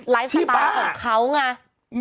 ไลฟ์สไตล์ของเขาไง